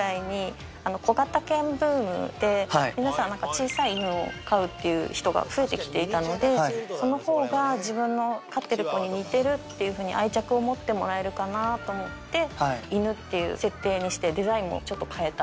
小さい犬を飼う人が増えて来ていたのでそのほうが飼ってる子に似てると愛着を持ってもらえると思って犬っていう設定にしてデザインをちょっと変えた。